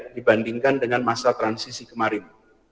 dibandingkan dengan masa transisi kemarin